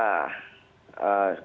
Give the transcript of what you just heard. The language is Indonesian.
oke karena kita belum periksa